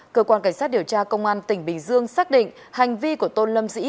cơ quan cảnh sát điều tra công an tỉnh bình dương xác định hành vi của tôn lâm sĩ